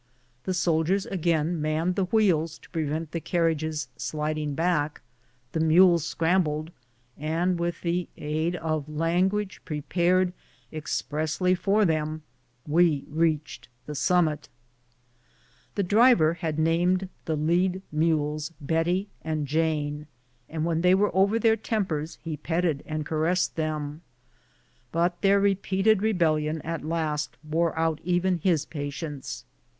The soldiers again manned the wheels to prevent the carriage sliding back, the mules scrambled, and with the aid of language prepared expressly for them, we reached the summit. The driver had named the lead mules Bettie and Jane, and when they were over their tempers he petted A VISIT TO THE VILLAGE OF "TWO BEARS." 67 and caressed them. Their repeated rebellion at last wore out even his patience.